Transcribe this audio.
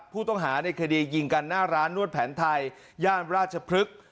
ผู้ต้องหาในคดียิงกันหน้าร้านนวดแผนไทยย่านราชพฤกษ์